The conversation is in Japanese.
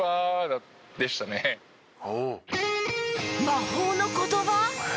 魔法の言葉？